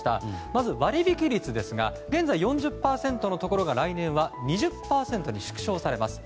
まず割引率ですが現在４０％のところが来年は２０％に縮小されます。